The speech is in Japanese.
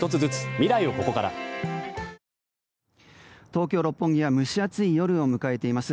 東京・六本木は蒸し暑い夜を迎えています。